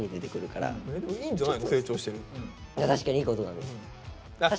確かにいいことなんです。